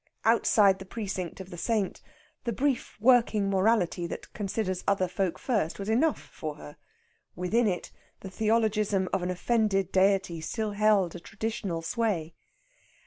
Outside the precinct of the saint, the brief working morality that considers other folk first was enough for her; within it, the theologism of an offended deity still held a traditional sway.